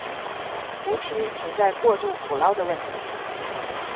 湖区存在过度捕捞的问题。